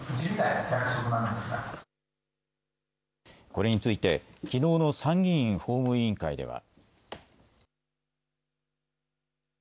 これについてきのうの参議院法務委員会では。